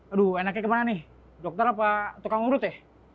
aduh enaknya kemana nih dokter apa tukang urut ya